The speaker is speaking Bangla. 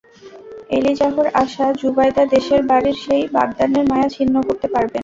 এলিজাহর আশা, যুবায়দা দেশের বাড়ির সেই বাগদানের মায়া ছিন্ন করতে পারবেন।